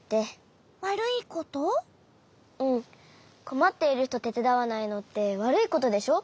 こまっているひとてつだわないのってわるいことでしょ？